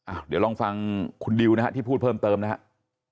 เดี๋ยวลองฟังคุณดิวนะฮะที่พูดเพิ่มเติมนะครับ